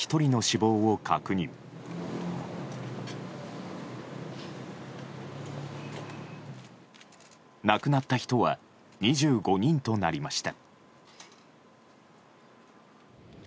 亡くなった人は２５人となりました。